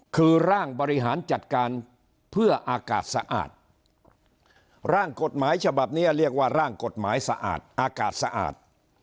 คือร่างบริหารจัดการเพื่ออากาศสะอาดร่างกฎหมายฉบับนี้เรียกว่าร่างกฎหมายสะอาดอากาศสะอาด